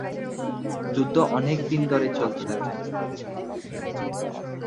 যুদ্ধ অনেক দিন ধরে চলতে থাকে।